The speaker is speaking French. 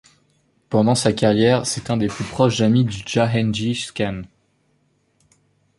Pendant sa carrière, c'est un des plus proches amis de Jahangir Khan.